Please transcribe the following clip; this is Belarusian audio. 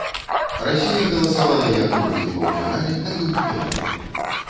Расія галасавала як у другім паўфінале, так і ў фінале.